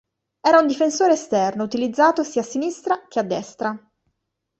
Era un difensore esterno utilizzato sia a sinistra che a destra.